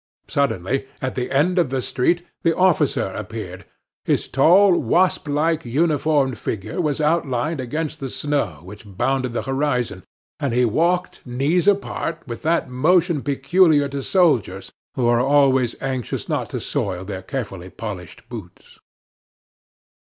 Suddenly, at the end of the street, the officer appeared. His tall, wasp like, uniformed figure was outlined against the snow which bounded the horizon, and he walked, knees apart, with that motion peculiar to soldiers, who are always anxious not to soil their carefully polished boots.